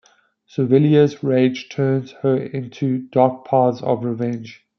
Servilia's rage turns her into dark paths of revenge.